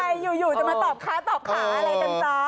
อะไรอยู่จะมาตอบค่ะตอบขาอะไรกันต้อง